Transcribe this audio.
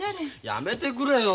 やめてくれよ。